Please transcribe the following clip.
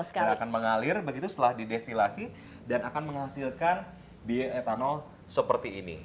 dan akan mengalir begitu setelah didestilasi dan akan menghasilkan bioetanol seperti ini